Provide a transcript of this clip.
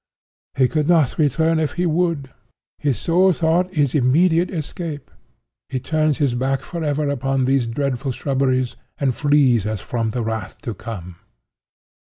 He could not return if he would. His sole thought is immediate escape. He turns his back forever upon those dreadful shrubberies and flees as from the wrath to come.